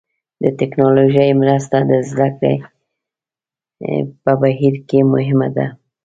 د ټکنالوژۍ مرسته د زده کړې په بهیر کې مهمه ده.